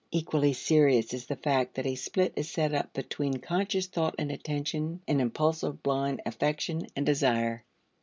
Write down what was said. Equally serious is the fact that a split is set up between conscious thought and attention and impulsive blind affection and desire.